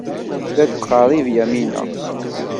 La d-tettqerrib Yamina.